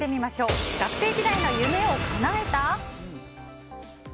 学生時代の夢をかなえた？